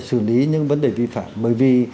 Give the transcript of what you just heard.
xử lý những vấn đề vi phạm bởi vì